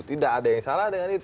tidak ada yang salah dengan itu